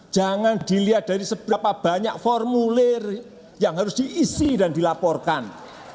jangan dilihat dari seberapa banyak formulir yang harus diisi dan dilaporkan